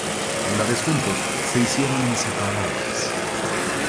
Una vez juntos se hicieron inseparables.